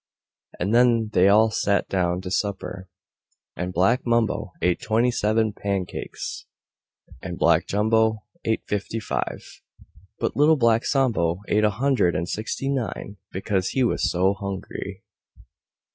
And then they all sat down to supper. And Black Mumbo ate Twenty seven pancakes, and Black Jumbo ate Fifty five but Little Black Sambo ate a Hundred and Sixty nine, because he was so hungry.